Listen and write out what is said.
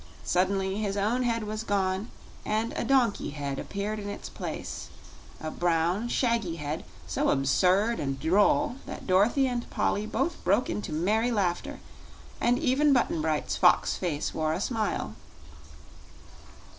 Suddenly his own head was gone and a donkey head appeared in its place a brown, shaggy head so absurd and droll that Dorothy and Polly both broke into merry laughter, and even Button Bright's fox face wore a smile.